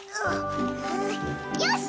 よし！